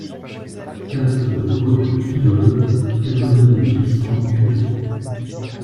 quatre rue Roque de Fillol, quatre-vingt-douze, huit cents, Puteaux